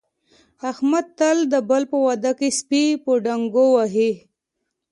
احمد تل د بل په واده کې سپي په ډانګو وهي.